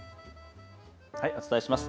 お伝えします。